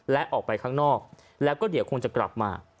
และออกไปข้างนอกแล้วก็เดี๋ยวคงจะกลับมา